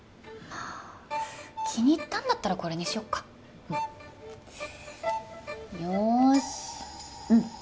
まあ気に入ったんだったらこれにしよっかうん。